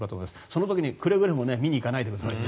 その時に、くれぐれも見に行かないでください。